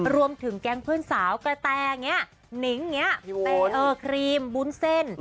รวมถึงแกงเพื่อนสาวกระแทง้ะนิ้งเปร้าะครีมบุ้นเส้น